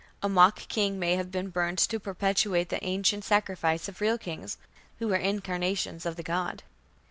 A mock king may have been burned to perpetuate the ancient sacrifice of real kings, who were incarnations of the god.